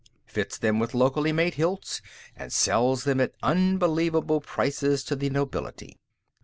Fits them with locally made hilts and sells them at unbelievable prices to the nobility.